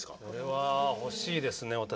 これは欲しいですね